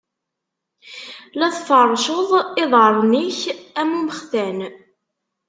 La tfeṛṛceḍ iḍaṛṛen-ik am umextan.